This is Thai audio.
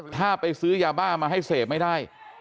ถ้าไปซื้อยาบ้ามาให้เสพไม่ได้